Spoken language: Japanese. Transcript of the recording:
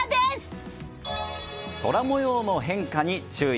空模様の変化に注意。